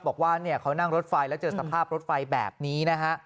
บอกว่าเขานั่งรถไฟแล้วเจอสภาพรถไฟแบบนี้นะฮะ